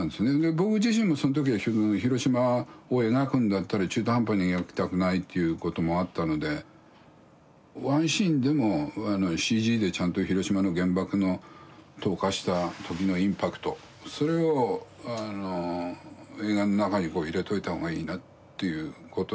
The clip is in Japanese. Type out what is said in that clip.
僕自身もその時は広島を描くんだったら中途半端に描きたくないということもあったのでワンシーンでもＣＧでちゃんと広島の原爆の投下した時のインパクトそれを映画の中に入れといた方がいいなということになって。